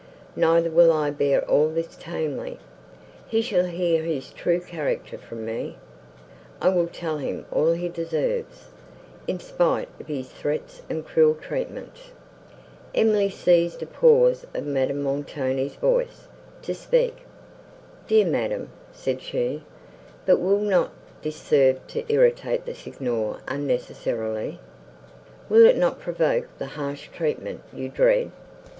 Neither will I bear all this tamely. He shall hear his true character from me; I will tell him all he deserves, in spite of his threats and cruel treatment." Emily seized a pause of Madame Montoni's voice, to speak. "Dear madam," said she, "but will not this serve to irritate the Signor unnecessarily? will it not provoke the harsh treatment you dread?"